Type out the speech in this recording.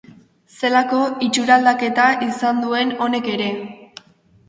Zelako itxuraldaketa izan duen honek ere!